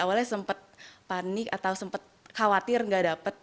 awalnya sempat panik atau sempat khawatir nggak dapat